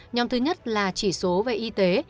nhóm thứ nhất là chỉ số về y tế